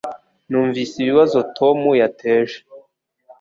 Numvise ibibazo Tom yateje